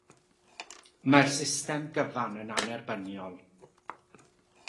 Mae'r system gyfan yn annerbyniol.